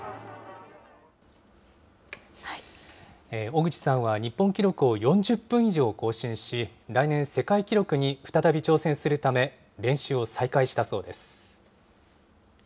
小口さんは日本記録を４０分以上更新し、来年、世界記録に再び挑戦するため、練習を再開したそうです。